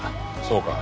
そうか。